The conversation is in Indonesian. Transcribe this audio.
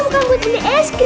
kalo begini terus kan